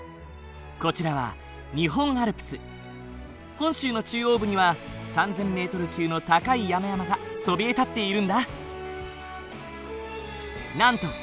こちらは本州の中央部には３，０００ｍ級の高い山々がそびえ立っているんだ。